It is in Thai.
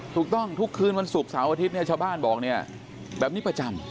ทุกคืนวันศุกร์เสาร์อาทิตย์เนี่ยชาวบ้านบอกเนี่ยแบบนี้ประจำ